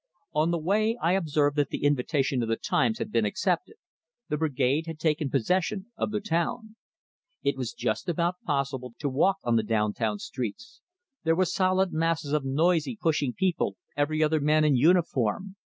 On the way I observed that the invitation of the "Times" had been accepted; the Brigade had taken possession of the town. It was just about possible to walk on the down town streets; there were solid masses of noisy, pushing people, every other man in uniform.